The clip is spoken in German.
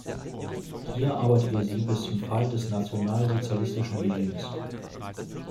Hier arbeitete sie bis zum Fall des nationalsozialistischen Regimes.